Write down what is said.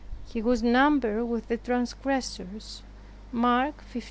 He was numbered with the transgressors, (Mark 15:28).